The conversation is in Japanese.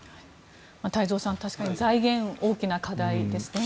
太蔵さん、確かに財源は大きな課題ですね。